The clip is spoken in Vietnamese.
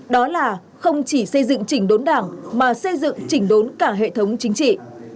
đó là không chỉ xây dựng chỉnh đốn đảng mà xây dựng chỉnh đốn cả hệ thống chính trị